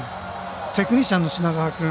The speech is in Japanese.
テクニシャンの品川君。